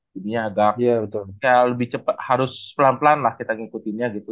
jadi agak harus pelan pelan lah kita ngikutinnya gitu